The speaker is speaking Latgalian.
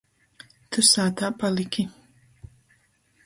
Tu sātā palyki